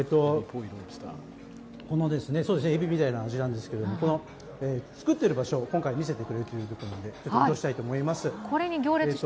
えびみたいな味なんですけど、作っている場所を今回見せてくれるということなんで移動したいと思います。